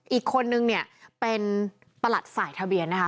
อีกคนนึงเนี่ยเป็นประหลัดฝ่ายทะเบียนนะคะ